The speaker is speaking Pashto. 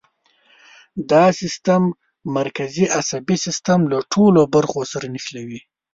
دا سیستم مرکزي عصبي سیستم له ټولو برخو سره نښلوي.